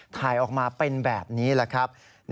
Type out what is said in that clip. ถ่ายออกมาเป็นแบบนี้แหละครับ